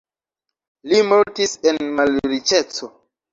Li mortis en malriĉeco.